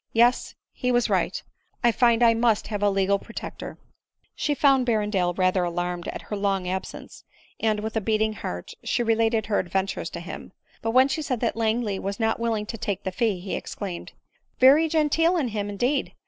Yes, he was right — I find I must have a legal protector." She found Berrendale rather alarmed at her long absence ; and, with a beating heart, she related her adventures to him ; but when she said that Langley was not willing to take die fee, he exclaimed, " Very genteel in him, indeed